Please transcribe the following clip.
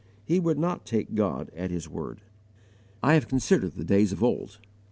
He would not take God at His word. "I have considered the days of old."